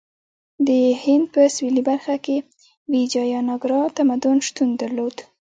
د هند په سویلي برخه کې ویجایاناګرا تمدن شتون درلود.